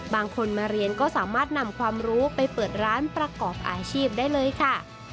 บางคนมาเรียนก็สามารถนำความรู้ไปเปิดร้านประกอบอาชีพได้เลยค่ะ